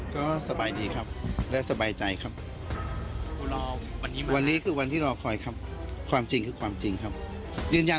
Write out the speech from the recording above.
ก็สบายดีครับและสบายใจครับวันนี้คือวันที่รอคอยครับความจริงคือความจริงครับยืนยัน